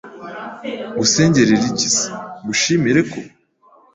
Ngusengerere iki se ngushimire ko